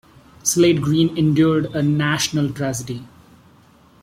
Slade Green endured a national tragedy.